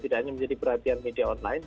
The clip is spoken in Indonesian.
tidak hanya menjadi perhatian media online